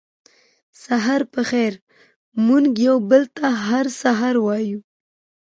سهار پخېر موږ یو بل ته هر سهار وایو